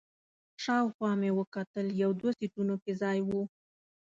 شاوخوا مې وکتل، یو دوه سیټونو کې ځای و.